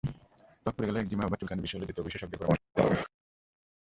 ত্বক পুড়ে গেলে, একজিমা কিংবা চুলকানি বেশি হলে দ্রুত বিশেষজ্ঞের পরামর্শ নিতে হবে।